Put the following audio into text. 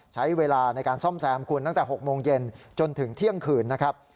ใช้เวลาในการซ่อมแซมคุณตั้งแต่๖โมงเย็นจนถึงเที่ยงคืนนะครับ